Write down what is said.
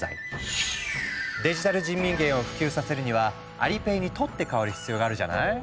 デジタル人民元を普及させるにはアリペイに取って代わる必要があるじゃない？